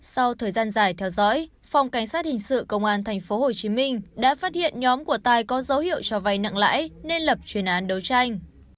sau thời gian dài theo dõi phòng cảnh sát hình sự công an tp hcm đã phát hiện nhóm của tài có dấu hiệu cho vay nặng lãi nên lập chuyên án đấu tranh